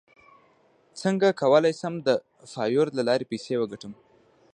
څنګه کولی شم د فایور له لارې پیسې وګټم